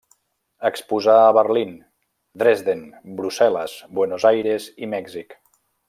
Exposà a Berlín, Dresden, Brussel·les, Buenos Aires i Mèxic.